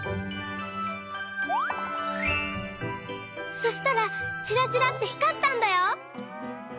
そしたらちらちらってひかったんだよ！